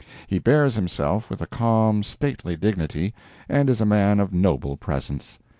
He bears himself with a calm, stately dignity, and is a man of noble presence.